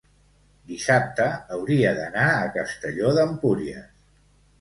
dissabte hauria d'anar a Castelló d'Empúries.